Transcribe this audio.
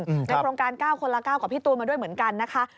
ในโครงการ๙คนละ๙กับพี่ตูนมาด้วยเหมือนกันนะคะ